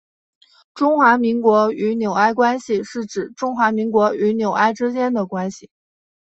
中华民国与纽埃关系是指中华民国与纽埃之间的关系。